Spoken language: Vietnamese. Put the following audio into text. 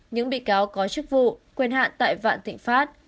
những bị cáo có chức vụ quên hạn tại vạn thịnh phát